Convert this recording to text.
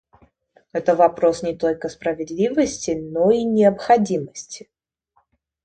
Это вопрос не только справедливости, но и необходимости.